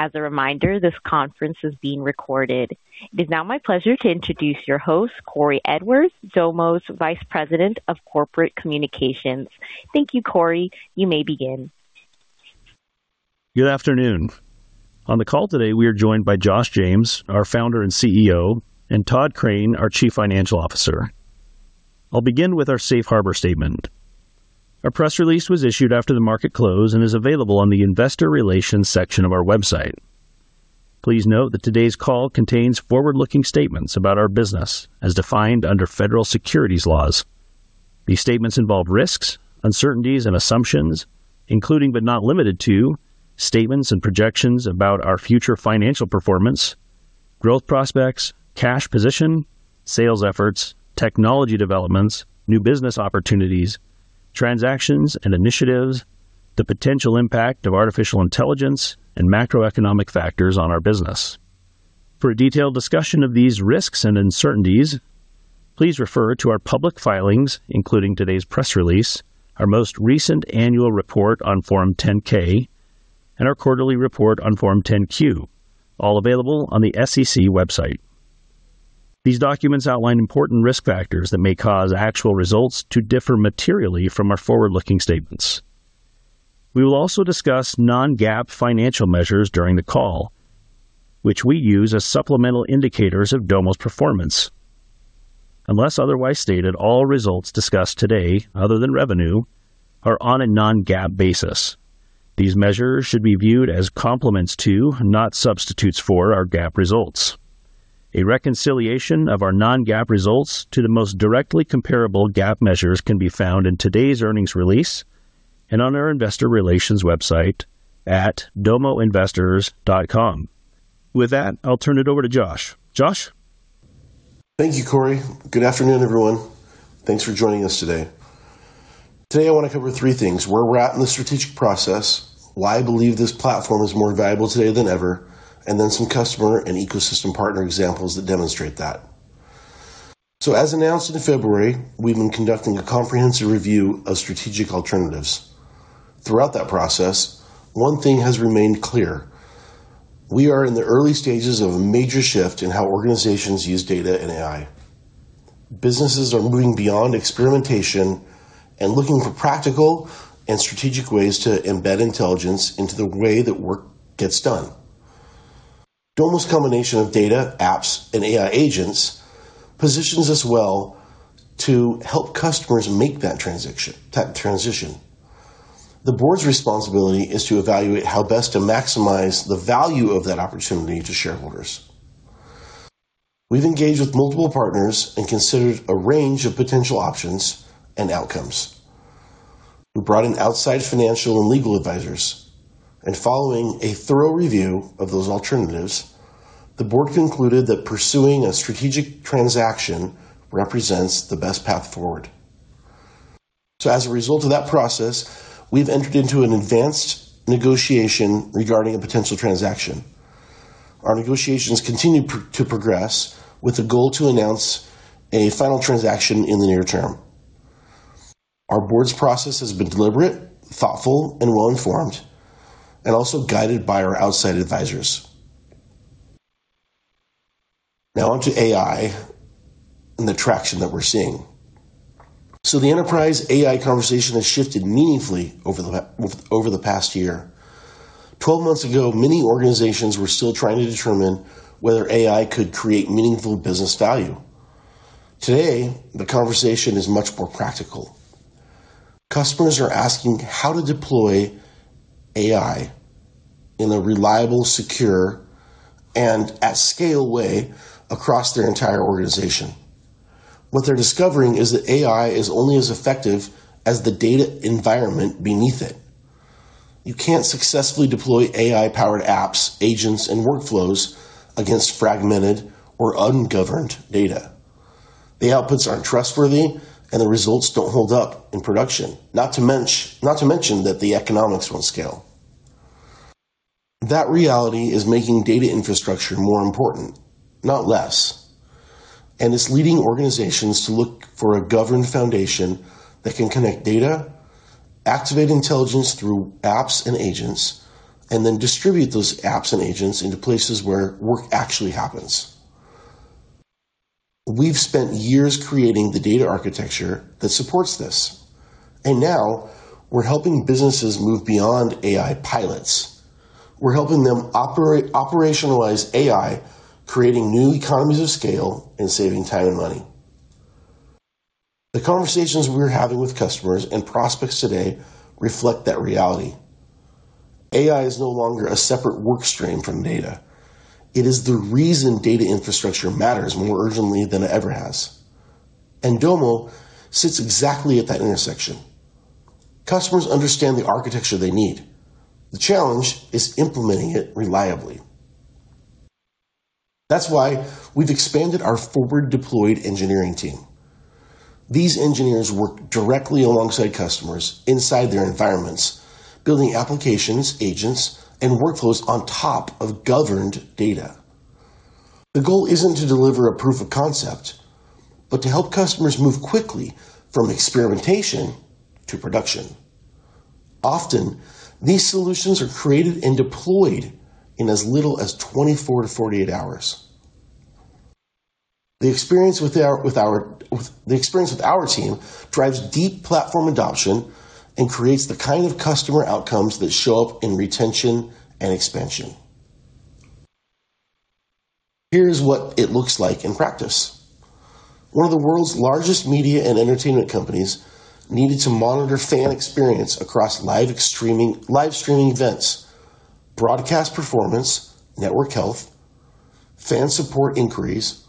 As a reminder, this conference is being recorded. It is now my pleasure to introduce your host, Cory Edwards, Domo's Vice President of Corporate Communications. Thank you, Cory. You may begin. Good afternoon. On the call today, we are joined by Josh James, our Founder and CEO, and Tod Crane, our Chief Financial Officer. I'll begin with our safe harbor statement. A press release was issued after the market close and is available on the investor relations section of our website. Please note that today's call contains forward-looking statements about our business as defined under federal securities laws. These statements involve risks, uncertainties, and assumptions, including but not limited to statements and projections about our future financial performance, growth prospects, cash position, sales efforts, technology developments, new business opportunities, transactions and initiatives, the potential impact of artificial intelligence, and macroeconomic factors on our business. For a detailed discussion of these risks and uncertainties, please refer to our public filings, including today's press release, our most recent annual report on Form 10-K, and our quarterly report on Form 10-Q, all available on the SEC website. These documents outline important risk factors that may cause actual results to differ materially from our forward-looking statements. We will also discuss non-GAAP financial measures during the call, which we use as supplemental indicators of Domo's performance. Unless otherwise stated, all results discussed today, other than revenue, are on a non-GAAP basis. These measures should be viewed as complements to, not substitutes for, our GAAP results. A reconciliation of our non-GAAP results to the most directly comparable GAAP measures can be found in today's earnings release and on our investor relations website at domoinvestors.com. With that, I'll turn it over to Josh. Josh? Thank you, Cory. Good afternoon, everyone. Thanks for joining us today. Today, I want to cover three things: where we're at in the strategic process, why I believe this platform is more valuable today than ever, and then some customer and ecosystem partner examples that demonstrate that. As announced in February, we've been conducting a comprehensive review of strategic alternatives. Throughout that process, one thing has remained clear. We are in the early stages of a major shift in how organizations use data and AI. Businesses are moving beyond experimentation and looking for practical and strategic ways to embed intelligence into the way that work gets done. Domo's combination of data, apps, and AI agents positions us well to help customers make that transition. The board's responsibility is to evaluate how best to maximize the value of that opportunity to shareholders. We've engaged with multiple partners and considered a range of potential options and outcomes. We brought in outside financial and legal advisors, and following a thorough review of those alternatives, the board concluded that pursuing a strategic transaction represents the best path forward. As a result of that process, we've entered into an advanced negotiation regarding a potential transaction. Our negotiations continue to progress with the goal to announce a final transaction in the near term. Our board's process has been deliberate, thoughtful, and well-informed, and also guided by our outside advisors. Now on to AI and the traction that we're seeing. So the enterprise AI conversation has shifted meaningfully over the past year. 12 months ago, many organizations were still trying to determine whether AI could create meaningful business value. Today, the conversation is much more practical. Customers are asking how to deploy AI in a reliable, secure, and at-scale way across their entire organization. What they're discovering is that AI is only as effective as the data environment beneath it. You can't successfully deploy AI-powered apps, agents, and workflows against fragmented or ungoverned data. The outputs aren't trustworthy, and the results don't hold up in production, not to mention that the economics won't scale. That reality is making data infrastructure more important, not less, and it's leading organizations to look for a governed foundation that can connect data, activate intelligence through apps and agents, and then distribute those apps and agents into places where work actually happens. We've spent years creating the data architecture that supports this, and now we're helping businesses move beyond AI pilots. We're helping them operationalize AI, creating new economies of scale, and saving time and money. The conversations we're having with customers and prospects today reflect that reality. AI is no longer a separate work stream from data. It is the reason data infrastructure matters more urgently than it ever has, and Domo sits exactly at that intersection. Customers understand the architecture they need. The challenge is implementing it reliably. That's why we've expanded our forward-deployed engineering team. These engineers work directly alongside customers inside their environments, building applications, agents, and workflows on top of governed data. The goal isn't to deliver a proof of concept, but to help customers move quickly from experimentation to production. Often, these solutions are created and deployed in as little as 24 to 48 hours. The experience with our team drives deep platform adoption and creates the kind of customer outcomes that show up in retention and expansion. Here's what it looks like in practice. One of the world's largest media and entertainment companies needed to monitor fan experience across live-streaming events, broadcast performance, network health, fan support inquiries,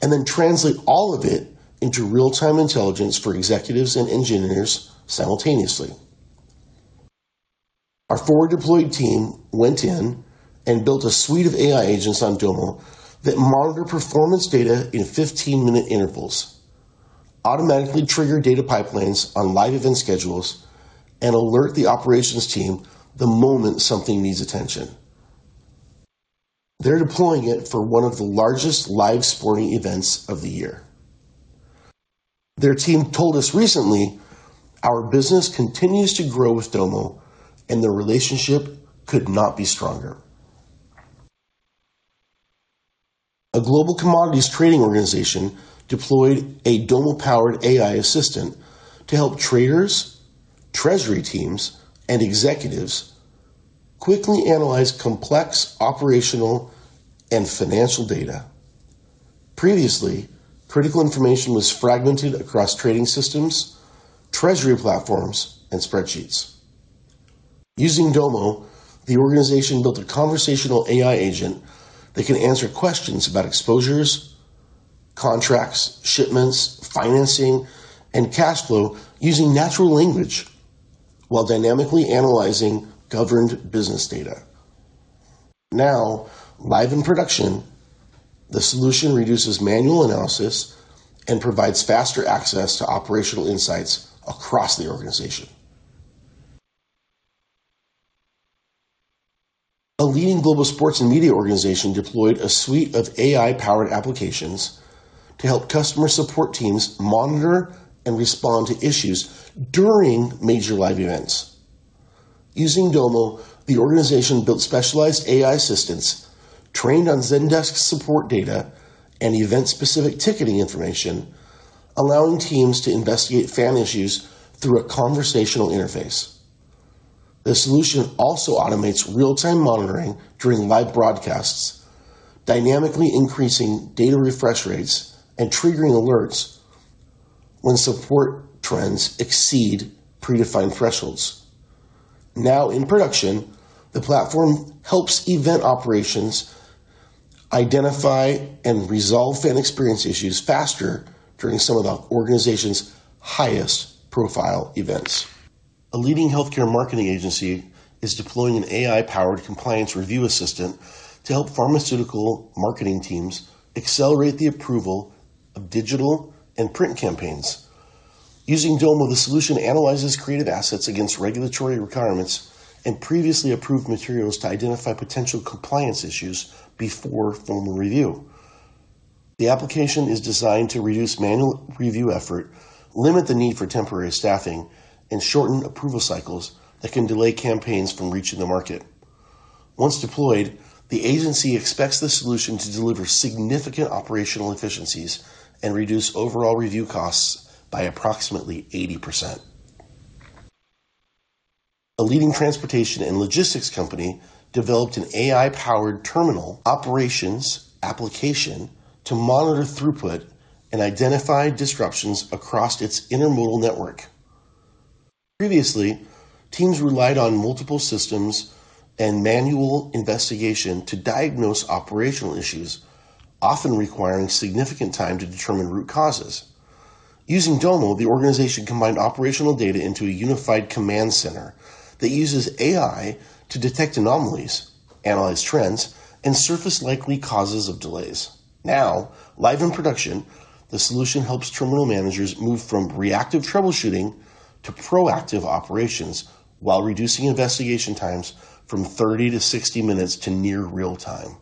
and then translate all of it into real-time intelligence for executives and engineers simultaneously. Our forward-deployed team went in and built a suite of AI agents on Domo that monitor performance data in 15-minute intervals, automatically trigger data pipelines on live event schedules, and alert the operations team the moment something needs attention. They're deploying it for one of the largest live sporting events of the year. Their team told us recently, "Our business continues to grow with Domo," and the relationship could not be stronger. A global commodities trading organization deployed a Domo-powered AI assistant to help traders, treasury teams, and executives quickly analyze complex operational and financial data. Previously, critical information was fragmented across trading systems, treasury platforms, and spreadsheets. Using Domo, the organization built a conversational AI agent that can answer questions about exposures, contracts, shipments, financing, and cash flow using natural language while dynamically analyzing governed business data. Now, live in production, the solution reduces manual analysis and provides faster access to operational insights across the organization. A leading global sports and media organization deployed a suite of AI-powered applications to help customer support teams monitor and respond to issues during major live events. Using Domo, the organization built specialized AI assistants trained on Zendesk support data and event-specific ticketing information, allowing teams to investigate fan issues through a conversational interface. The solution also automates real-time monitoring during live broadcasts, dynamically increasing data refresh rates and triggering alerts when support trends exceed predefined thresholds. Now in production, the platform helps event operations identify and resolve fan experience issues faster during some of the organization's highest-profile events. A leading healthcare marketing agency is deploying an AI-powered compliance review assistant to help pharmaceutical marketing teams accelerate the approval of digital and print campaigns. Using Domo, the solution analyzes creative assets against regulatory requirements and previously approved materials to identify potential compliance issues before formal review. The application is designed to reduce manual review effort, limit the need for temporary staffing, and shorten approval cycles that can delay campaigns from reaching the market. Once deployed, the agency expects the solution to deliver significant operational efficiencies and reduce overall review costs by approximately 80%. A leading transportation and logistics company developed an AI-powered terminal operations application to monitor throughput and identify disruptions across its intermodal network. Previously, teams relied on multiple systems and manual investigation to diagnose operational issues, often requiring significant time to determine root causes. Using Domo, the organization combined operational data into a unified command center that uses AI to detect anomalies, analyze trends, and surface likely causes of delays. Now, live in production, the solution helps terminal managers move from reactive troubleshooting to proactive operations while reducing investigation times from 30 to 60 minutes to near real-time. A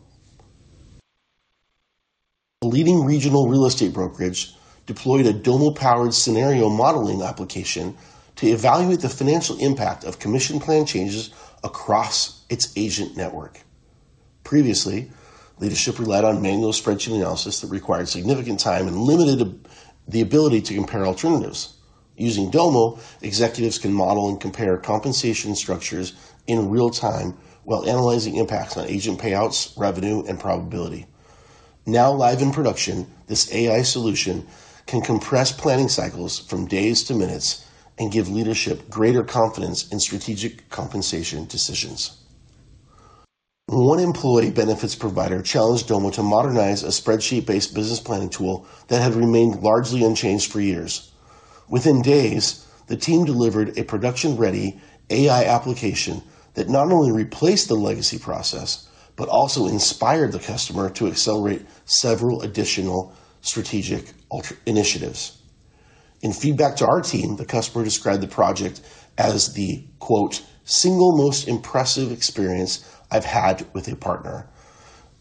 leading regional real estate brokerage deployed a Domo-powered scenario modeling application to evaluate the financial impact of commission plan changes across its agent network. Previously, leadership relied on manual spreadsheet analysis that required significant time and limited the ability to compare alternatives. Using Domo, executives can model and compare compensation structures in real time while analyzing impacts on agent payouts, revenue, and probability. Now live in production, this AI solution can compress planning cycles from days to minutes and give leadership greater confidence in strategic compensation decisions. One employee benefits provider challenged Domo to modernize a spreadsheet-based business planning tool that had remained largely unchanged for years. Within days, the team delivered a production-ready AI application that not only replaced the legacy process but also inspired the customer to accelerate several additional strategic initiatives. In feedback to our team, the customer described the project as the, quote, "single most impressive experience I've had with a partner,"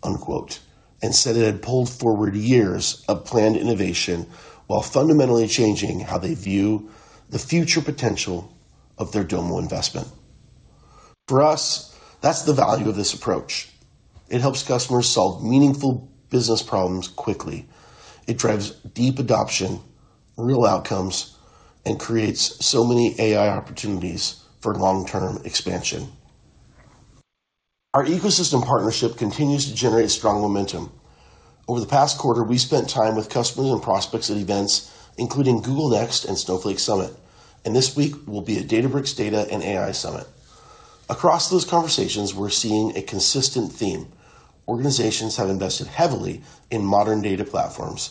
unquote, and said it had pulled forward years of planned innovation while fundamentally changing how they view the future potential of their Domo investment. For us, that's the value of this approach. It helps customers solve meaningful business problems quickly. It drives deep adoption, real outcomes, and creates so many AI opportunities for long-term expansion. Our ecosystem partnership continues to generate strong momentum. Over the past quarter, we spent time with customers and prospects at events including Google Next and Snowflake Summit. This week, we'll be at Databricks Data and AI Summit. Across those conversations, we're seeing a consistent theme. Organizations have invested heavily in modern data platforms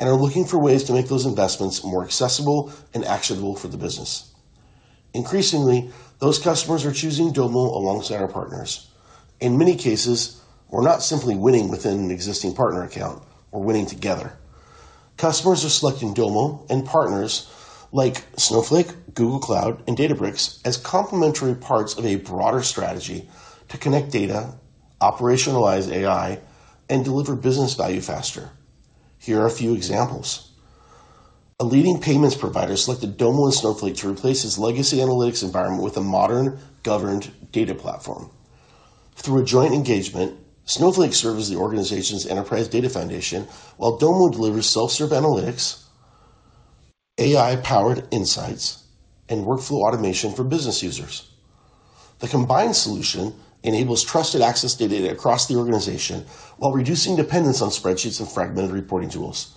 and are looking for ways to make those investments more accessible and actionable for the business. Increasingly, those customers are choosing Domo alongside our partners. In many cases, we're not simply winning within an existing partner account. We're winning together. Customers are selecting Domo and partners like Snowflake, Google Cloud, and Databricks as complementary parts of a broader strategy to connect data, operationalize AI, and deliver business value faster. Here are a few examples. A leading payments provider selected Domo and Snowflake to replace its legacy analytics environment with a modern, governed data platform. Through a joint engagement, Snowflake serves the organization's enterprise data foundation, while Domo delivers self-serve analytics, AI-powered insights, and workflow automation for business users. The combined solution enables trusted access to data across the organization while reducing dependence on spreadsheets and fragmented reporting tools.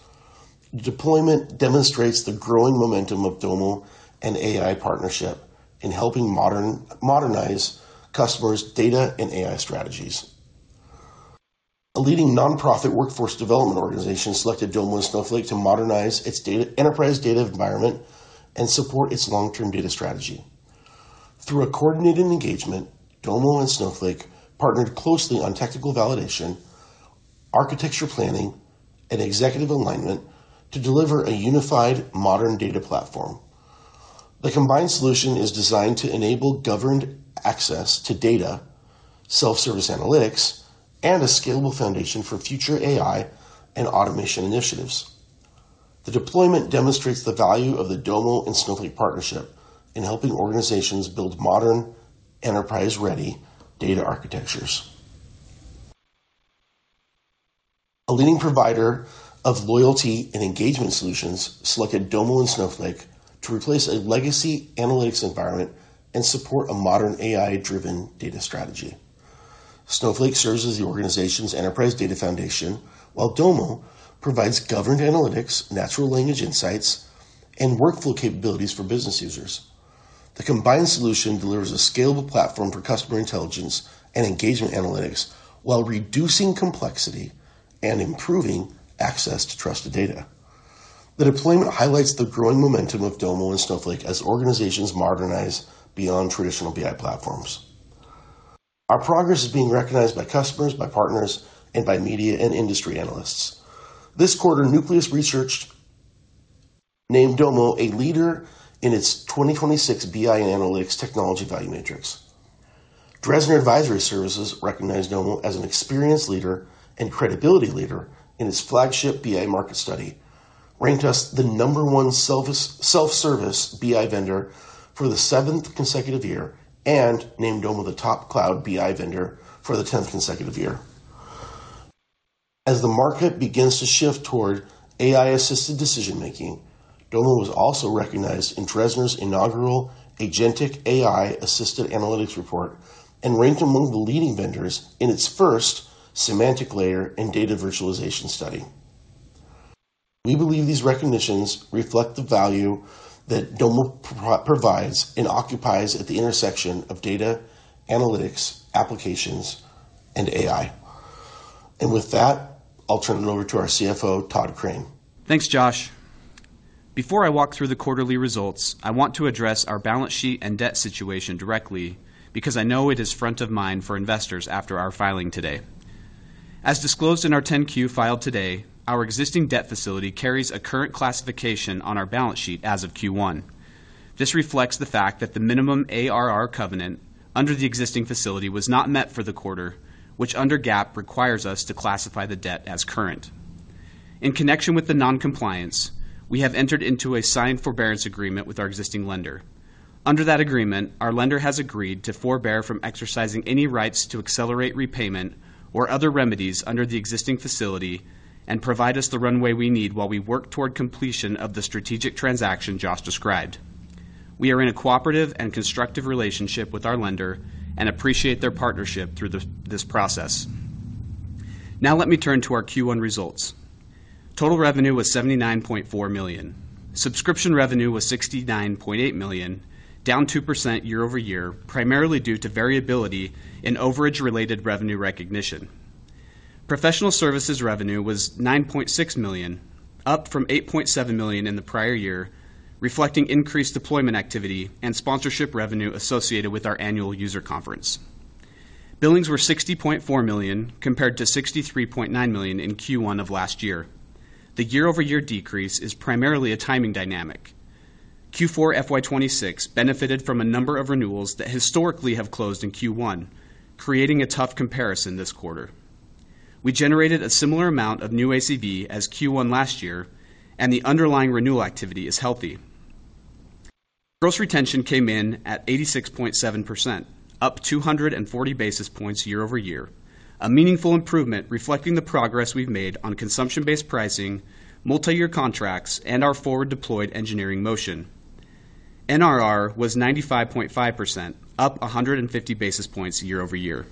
The deployment demonstrates the growing momentum of Domo and AI partnership in helping modernize customers' data and AI strategies. A leading nonprofit workforce development organization selected Domo and Snowflake to modernize its enterprise data environment and support its long-term data strategy. Through a coordinated engagement, Domo and Snowflake partnered closely on technical validation, architecture planning, and executive alignment to deliver a unified modern data platform. The combined solution is designed to enable governed access to data, self-service analytics, and a scalable foundation for future AI and automation initiatives. The deployment demonstrates the value of the Domo and Snowflake partnership in helping organizations build modern, enterprise-ready data architectures. A leading provider of loyalty and engagement solutions selected Domo and Snowflake to replace a legacy analytics environment and support a modern AI-driven data strategy. Snowflake serves as the organization's enterprise data foundation, while Domo provides governed analytics, natural language insights, and workflow capabilities for business users. The combined solution delivers a scalable platform for customer intelligence and engagement analytics while reducing complexity and improving access to trusted data. The deployment highlights the growing momentum of Domo and Snowflake as organizations modernize beyond traditional BI platforms. Our progress is being recognized by customers, by partners, and by media and industry analysts. This quarter, Nucleus Research named Domo a leader in its 2026 BI and analytics technology value matrix. Dresner Advisory Services recognized Domo as an experienced leader and credibility leader in its flagship BI market study, ranked us the number one self-service BI vendor for the seventh consecutive year, and named Domo the top cloud BI vendor for the 10th consecutive year. As the market begins to shift toward AI-assisted decision-making, Domo was also recognized in Dresner's inaugural Agentic AI Assisted Analytics Report and ranked among the leading vendors in its first semantic layer and data virtualization study. We believe these recognitions reflect the value that Domo provides and occupies at the intersection of data analytics, applications, and AI. And with that, I'll turn it over to our CFO, Tod Crane. Thanks, Josh. Before I walk through the quarterly results, I want to address our balance sheet and debt situation directly because I know it is front of mind for investors after our filing today. As disclosed in our Form 10-Q filed today, our existing debt facility carries a current classification on our balance sheet as of Q1. This reflects the fact that the minimum ARR covenant under the existing facility was not met for the quarter, which under GAAP requires us to classify the debt as current. In connection with the non-compliance, we have entered into a signed forbearance agreement with our existing lender. Under that agreement, our lender has agreed to forbear from exercising any rights to accelerate repayment or other remedies under the existing facility and provide us the runway we need while we work toward completion of the strategic transaction Josh described. We are in a cooperative and constructive relationship with our lender and appreciate their partnership through this process. Now let me turn to our Q1 results. Total revenue was $79.4 million. Subscription revenue was $69.8 million, down 2% year-over-year, primarily due to variability in overage-related revenue recognition. Professional services revenue was $9.6 million, up from $8.7 million in the prior year, reflecting increased deployment activity and sponsorship revenue associated with our annual user conference. Billings were $60.4 million, compared to $63.9 million in Q1 of last year. The year-over-year decrease is primarily a timing dynamic. Q4 FY 2026 benefited from a number of renewals that historically have closed in Q1, creating a tough comparison this quarter. We generated a similar amount of new ACV as Q1 last year, and the underlying renewal activity is healthy. Gross retention came in at 86.7%, up 240 basis points year-over-year, a meaningful improvement reflecting the progress we've made on consumption-based pricing, multi-year contracts, and our forward deployed engineering motion. NRR was 95.5%, up 150 basis points year-over-year.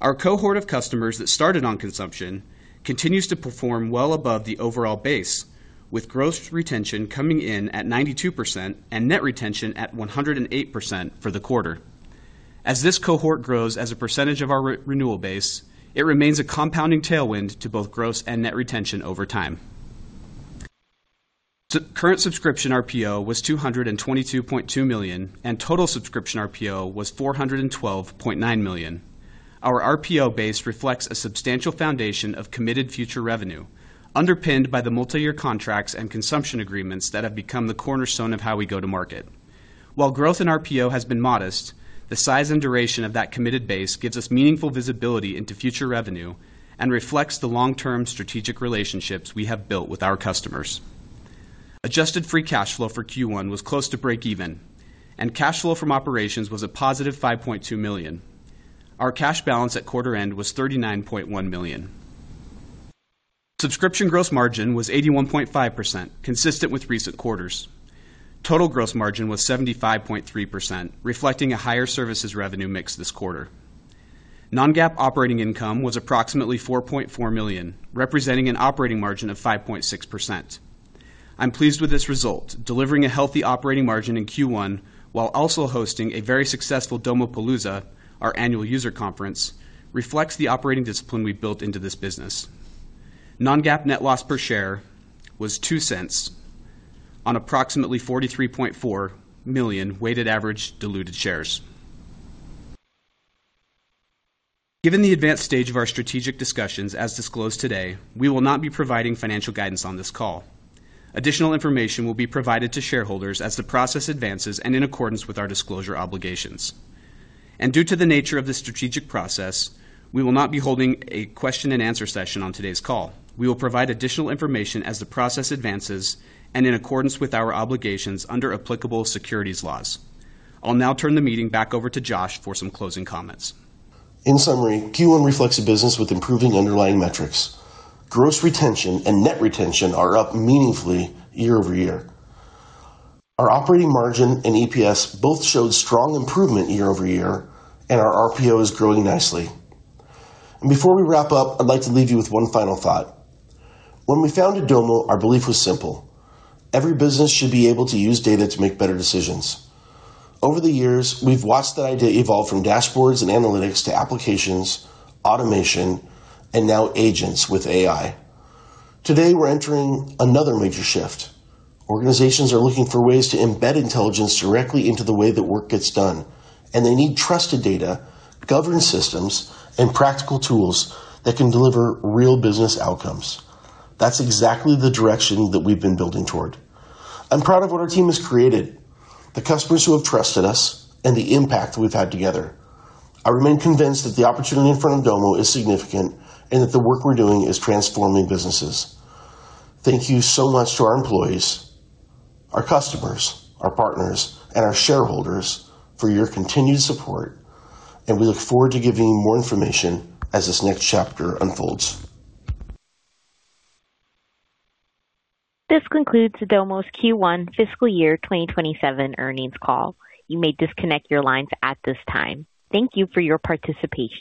Our cohort of customers that started on consumption continues to perform well above the overall base, with gross retention coming in at 92% and net retention at 108% for the quarter. As this cohort grows as a percentage of our renewal base, it remains a compounding tailwind to both gross and net retention over time. Current subscription RPO was $222.2 million, and total subscription RPO was $412.9 million. Our RPO base reflects a substantial foundation of committed future revenue, underpinned by the multi-year contracts and consumption agreements that have become the cornerstone of how we go to market. Growth in RPO has been modest, the size and duration of that committed base gives us meaningful visibility into future revenue and reflects the long-term strategic relationships we have built with our customers. Adjusted free cash flow for Q1 was close to break even, and cash flow from operations was a positive $5.2 million. Our cash balance at quarter end was $39.1 million. Subscription gross margin was 81.5%, consistent with recent quarters. Total gross margin was 75.3%, reflecting a higher services revenue mix this quarter. Non-GAAP operating income was approximately $4.4 million, representing an operating margin of 5.6%. I'm pleased with this result. Delivering a healthy operating margin in Q1 while also hosting a very successful Domopalooza, our annual user conference, reflects the operating discipline we've built into this business. Non-GAAP net loss per share was $0.02 on approximately 43.4 million weighted average diluted shares. Given the advanced stage of our strategic discussions as disclosed today, we will not be providing financial guidance on this call. Additional information will be provided to shareholders as the process advances and in accordance with our disclosure obligations. And due to the nature of the strategic process, we will not be holding a question and answer session on today's call. We will provide additional information as the process advances and in accordance with our obligations under applicable securities laws. I'll now turn the meeting back over to Josh for some closing comments. In summary, Q1 reflects a business with improving underlying metrics. Gross retention and net retention are up meaningfully year-over-year. Our operating margin and EPS both showed strong improvement year-over-year, our RPO is growing nicely. Before we wrap up, I'd like to leave you with one final thought. When we founded Domo, our belief was simple: Every business should be able to use data to make better decisions. Over the years, we've watched that idea evolve from dashboards and analytics to applications, automation, and now agents with AI. Today, we're entering another major shift. Organizations are looking for ways to embed intelligence directly into the way that work gets done, and they need trusted data, governance systems, and practical tools that can deliver real business outcomes. That's exactly the direction that we've been building toward. I'm proud of what our team has created, the customers who have trusted us, and the impact we've had together. I remain convinced that the opportunity in front of Domo is significant, and that the work we're doing is transforming businesses. Thank you so much to our employees, our customers, our partners, and our shareholders for your continued support, and we look forward to giving you more information as this next chapter unfolds. This concludes Domo's Q1 fiscal year 2027 earnings call. You may disconnect your lines at this time. Thank you for your participation.